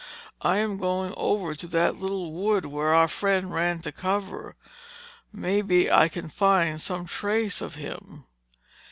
I am going over to that little wood where our friend ran to cover. Maybe I can find some trace of him.